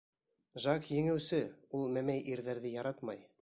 Жак еңеүсе, ул мәмәй ирҙәрҙе яратмай.